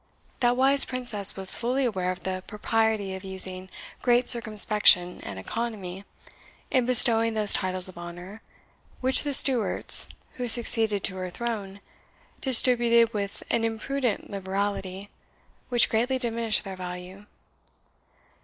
That wise Princess was fully aware of the propriety of using great circumspection and economy in bestowing those titles of honour, which the Stewarts, who succeeded to her throne, distributed with an imprudent liberality which greatly diminished their value.